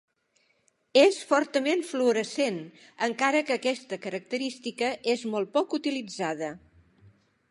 És fortament fluorescent, encara que aquesta característica és molt poc utilitzada.